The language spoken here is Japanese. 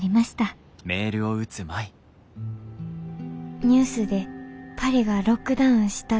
ニュースでパリがロックダウンしたって知りました。